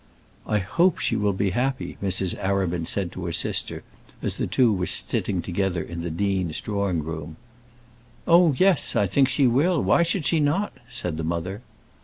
"I hope she will be happy," Mrs. Arabin said to her sister, as the two were sitting together in the dean's drawing room. "Oh, yes; I think she will. Why should she not?" said the mother.